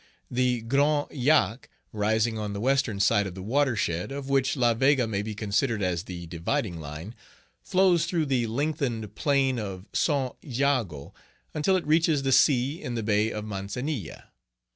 The Grand Yaque, rising on the western side of the Watershed, of which La Vega may be considered as the dividing line, flows through the lengthened plain of St. Jago, until it reaches the sea in the Bay of Mancenille.